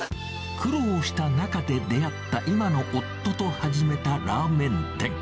苦労した中で出会った今の夫と始めたラーメン店。